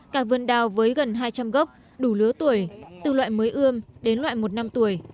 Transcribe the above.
cả vườn đào với gần hai trăm linh gốc đủ lứa tuổi từ loại mới ươm đến loại một năm tuổi